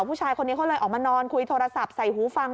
ผู้ชายคนนี้เขาเลยออกมานอนคุยโทรศัพท์ใส่หูฟัง